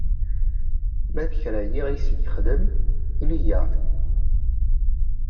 Ma d kra n yiɣisi i yexdem, ini-aɣ-d!